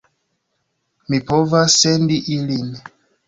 Mi povas sendi ilin.